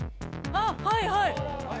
あっはいはい！